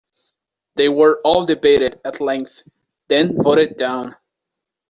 They were all debated at length, then voted down.